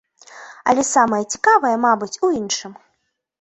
Але самае цікавае, мабыць, у іншым.